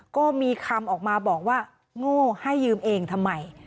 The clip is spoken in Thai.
ก็มีคำออกมาบอกว่าโง่ให้ยืมเองทำไม